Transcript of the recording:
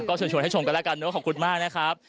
เชิญชวนให้ชมกันแล้วกันเนอะขอบคุณมากนะครับ